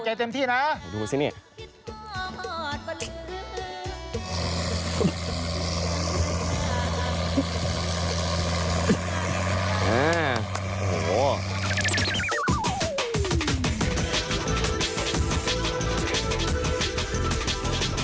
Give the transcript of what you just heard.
ใช้งานครับให้กำลังใจเต็มที่นะ